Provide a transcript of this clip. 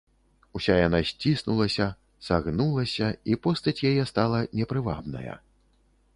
Уся яна сціснулася, сагнулася, і постаць яе стала непрывабная.